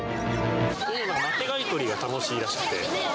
マテ貝取りが楽しいらしくて。